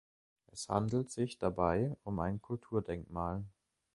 Es handelt sich dabei um ein Kulturdenkmal.